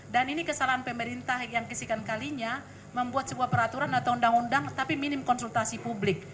dan ini kesalahan pemerintah yang kesikan kalinya membuat sebuah peraturan atau undang undang tapi minim konsultasi publik